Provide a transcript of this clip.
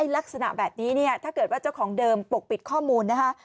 ลักษณะแบบนี้ถ้าเกิดว่าเจ้าของเดิมปกปิดข้อมูล